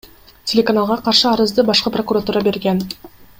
Телеканалга каршы арызды Башкы прокуратура берген.